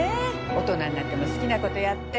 大人になっても好きなことやって。